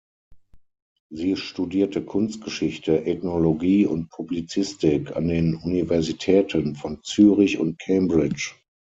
Sie studierte Kunstgeschichte, Ethnologie und Publizistik an den Universitäten von Zürich und Cambridge.